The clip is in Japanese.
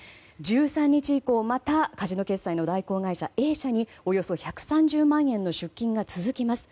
１３日以降またカジノ決済の代行会社Ａ社におよそ１３０万円の出金が続きます。